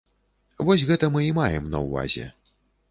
Вось гэта мы і маем на ўвазе.